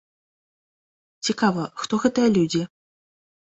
Цікава, хто гэтыя людзі?